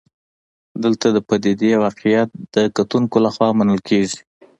دلته د پدیدې واقعیت د کتونکو لخوا منل کېږي.